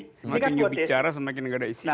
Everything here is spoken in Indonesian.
semakin dibicara semakin nggak ada isinya